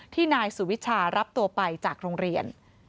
นายสุวิชารับตัวไปจากโรงเรียน